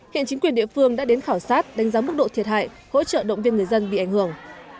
hiện chính quyền địa phương đã đến khảo sát đánh giá mức độ thiệt hại hỗ trợ động viên người dân bị ảnh hưởng